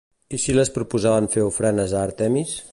I si les proposaven fer ofrenes a Àrtemis?